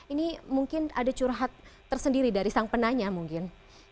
ini mungkin ada curhat tersendiri dari sang penanya mungkin